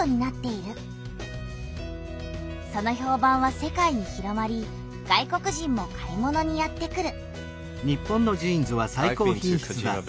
その評判は世界に広まり外国人も買い物にやって来る。